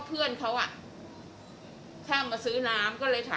เพราะว่ารุ่มตุ๊กตั๊บก่อน